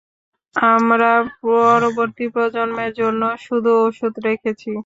আমরা পরবর্তী প্রজন্মের জন্য শুধু ওষুধ রেখেছি।